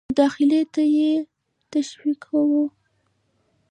مداخلې ته یې تشویقاوه.